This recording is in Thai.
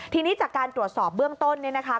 ทีนี้จากการตรวจสอบเบื้องต้นเนี่ยนะคะ